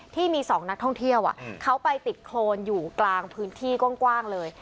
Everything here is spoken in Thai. ที่มี๒นักท่องเที่ยวเขาไปติดโครนอยู่กลางพื้นที่กว้างเลย